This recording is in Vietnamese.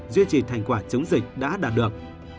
duy trì thành quả chống dịch đã đạt được